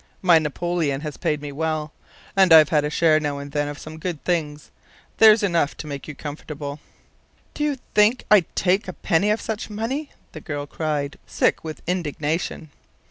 My 'Napoleon' has paid me well, and I've had a share now and then of some good things. There's enough to make you comfortable " "Do you think I'd take a penny of such money?" the girl cried, sick with indignation.